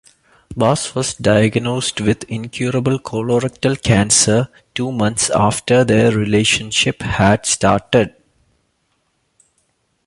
Bas was diagnosed with incurable colorectal cancer two months after their relationship had started.